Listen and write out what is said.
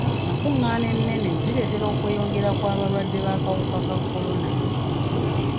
Enkungaana ennene zireetera okweyongera kw'abalwadde b'akawuka ka kolona.